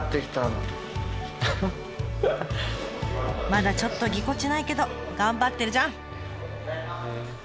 まだちょっとぎこちないけど頑張ってるじゃん！